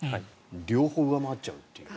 両方上回っちゃうという。